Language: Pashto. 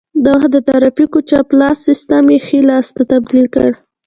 د وخت د ترافیکو چپ لاس سیسټم یې ښي لاس ته تبدیل کړ